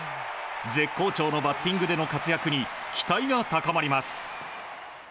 絶好調のバッティングでの活躍に期待が高まります。